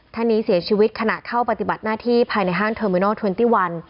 ท่านนี้เสียชีวิตขณะเข้าปฏิบัติหน้าที่ภายในห้างเทอร์มินอลเทรนตี้วัน